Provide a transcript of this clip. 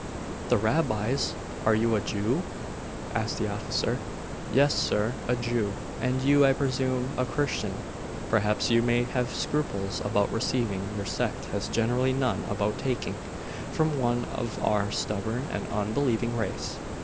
'The Rabbis? Are you a Jew?' asked the officer. 'Yes, sir, a Jew. And you, I presume, a Christian: perhaps you may have scruples about receiving your sect has generally none about taking from one of our stubborn and unbelieving race.